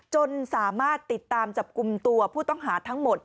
จนสามารถติดตามจับกลุ่มตัวผู้ต้องหาทั้งหมด